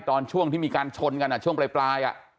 ตอนช่วงที่มีการชนกันอ่ะช่วงปลายปลายอ่ะ